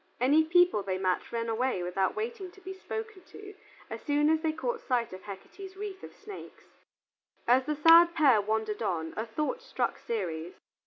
Any people they met ran away without waiting to be spoken to, as soon as they caught sight of Hecate's wreath of snakes. As the sad pair wandered on, a thought struck Ceres.